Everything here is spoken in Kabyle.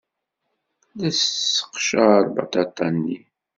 La tesseqcar lbaṭaṭa-nni.